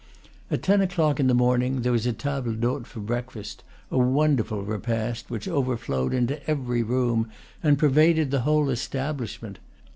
At ten o'clock in the morning there was a table d'hote for breakfast, a wonderful repast, which overflowed into every room and pervaded the whole establishment.